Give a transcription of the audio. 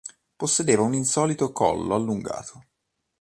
Possedeva un insolito collo allungato.